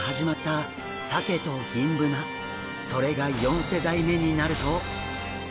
それが４世代目になると。